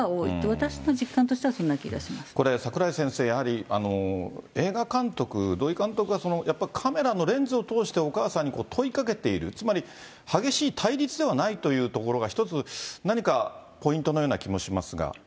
私の実感としてはそんな気がしまこれ、櫻井先生、やはり映画監督、土居監督がやっぱりカメラのレンズを通してお母さんに問いかけている、つまり、激しい対立ではないというところが、一つ、何かポイントのような気もしますが。